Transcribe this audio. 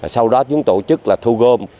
sau đó chúng tổ chức là thu gôm